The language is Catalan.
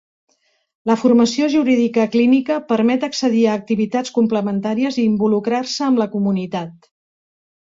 La formació jurídica clínica permet accedir a activitats complementàries i involucrar-se amb la comunitat.